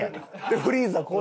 フリーザこう。